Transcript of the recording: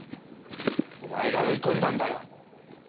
お前が追い込んだんだよ。